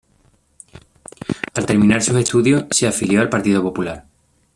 Al terminar sus estudios se afilió al Partido Popular.